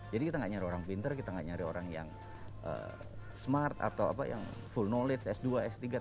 jadi kita gak nyari orang pintar kita gak nyari orang yang smart atau apa yang full knowledge s dua s tiga